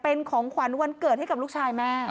เป็นของขวัญวันเกิดให้กับลูกชายแม่